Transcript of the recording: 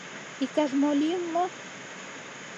Иктаж-мо лийын мо?